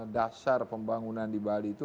dasar pembangunan di bali itu